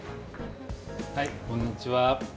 はいこんにちは。